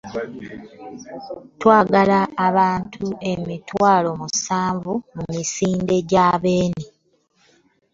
Twagala abantu emitwalo musanvu mu misinde gya Beene.